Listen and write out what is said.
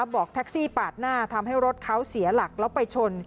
บอกแท็กซี่ปาดหน้าทำให้รถเขาเสียหลักแล้วไปชน